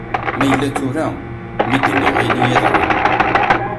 Ma yella d tura mi d-nniɣ ayen iyi-yeḍran.